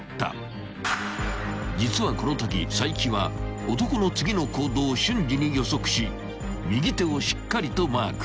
［実はこのとき齋木は男の次の行動を瞬時に予測し右手をしっかりとマーク］